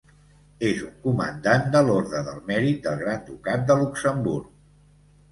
És un Comandant de l'Orde del Mèrit del Gran Ducat de Luxemburg.